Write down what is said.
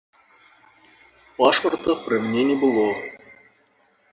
Пашпарта пры мне не было.